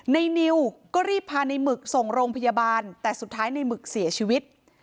นิวก็รีบพาในหมึกส่งโรงพยาบาลแต่สุดท้ายในหมึกเสียชีวิต